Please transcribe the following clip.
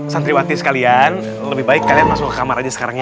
santriwati sekalian lebih baik kalian masuk ke kamar aja sekarang ya